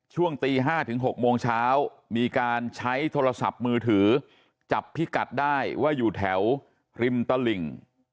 ช่วงตี๕ถึง๖โมงเช้ามีการใช้โทรศัพท์มือถือจับพิกัดได้ว่าอยู่แถวริมตลิ่ง